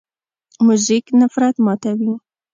موزیک نفرت ماتوي.